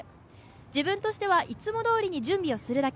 自分としてはいつもどおりに準備をするだけ。